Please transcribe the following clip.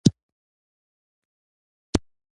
د طرزي پر فکري قوت باوري کړي یو.